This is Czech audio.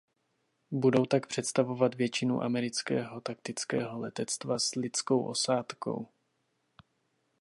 Budou tak představovat většinu amerického taktického letectva s lidskou osádkou.